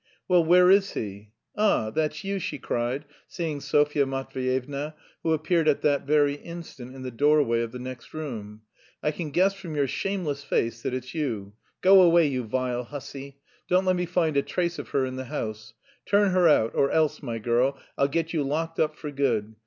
"Well, where is he? Ah, that's you!" she cried, seeing Sofya Matveyevna, who appeared at that very instant in the doorway of the next room. "I can guess from your shameless face that it's you. Go away, you vile hussy! Don't let me find a trace of her in the house! Turn her out, or else, my girl, I'll get you locked up for good.